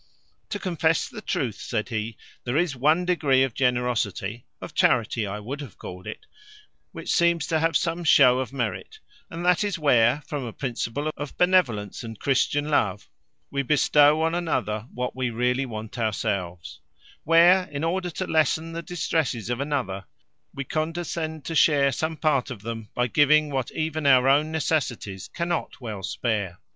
"To confess the truth," said he, "there is one degree of generosity (of charity I would have called it), which seems to have some show of merit, and that is, where, from a principle of benevolence and Christian love, we bestow on another what we really want ourselves; where, in order to lessen the distresses of another, we condescend to share some part of them, by giving what even our own necessities cannot well spare.